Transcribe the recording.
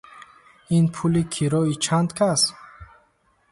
– Ин пули кирои чанд кас?